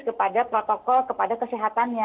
kepada protokol kepada kesehatannya